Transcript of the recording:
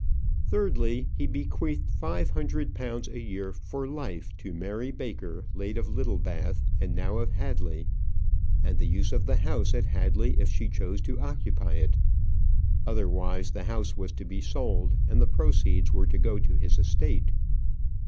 Thirdly, he bequeathed five hundred pounds a year for life to Mary Baker, late of Littlebath, and now of Hadley; and the use of the house at Hadley if she chose to occupy it. Otherwise, the house was to be sold, and the proceeds were to go to his estate.